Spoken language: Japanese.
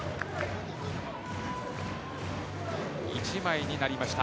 １枚になりました。